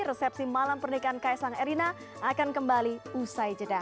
resepsi malam pernikahan kaisang erina akan kembali usai jeda